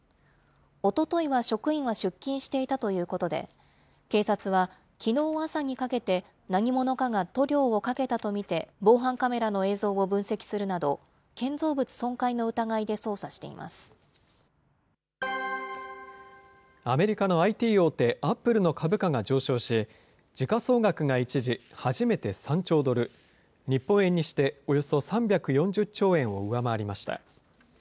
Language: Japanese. おとといは職員は出勤していたということで、警察はきのう朝にかけて、何者かが塗料をかけたと見て、防犯カメラの映像を分析するなど、建造物損壊の疑いで捜査しアメリカのＩＴ大手、アップルの株価が上昇し、時価総額が一時、初めて３兆ドル、日本円にしておよそ３４０兆円を上回りました。